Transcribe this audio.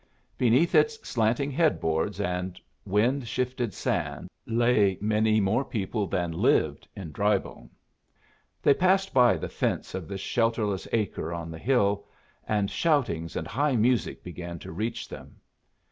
Beneath its slanting headboards and wind shifted sand lay many more people than lived in Drybone. They passed by the fence of this shelterless acre on the hill, and shoutings and high music began to reach them.